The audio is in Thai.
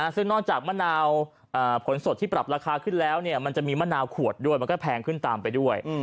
ซึ่งนอกจากมะนาวผลสดที่ปรับราคาขึ้นแล้วมันจะมีมะนาวขวดด้วยมันก็แพงขึ้นตามไปด้วย